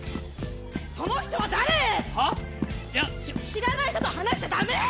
知らない人と話しちゃダメ！